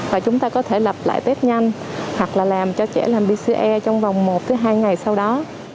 và chúng ta có thể lập lại tết nhanh hoặc là làm cho trẻ làm bce trong vòng một hai ngày sau đó